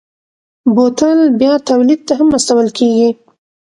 بوتل بیا تولید ته هم استول کېږي.